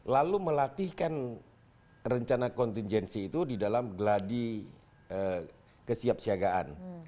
lalu melatihkan rencana kontingensi itu di dalam gladi kesiap siagaan